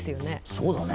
そうだね。